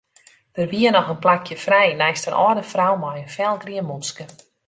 Der wie noch in plakje frij neist in âlde frou mei in felgrien mûtske.